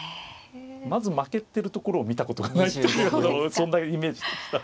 まず負けてるところを見たことがないというほどそんなイメージでした。